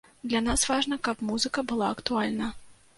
Для нас важна, каб музыка была актуальна.